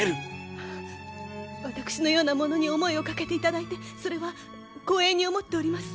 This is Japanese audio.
私のような者に思いをかけていただいてそれは光栄に思っております。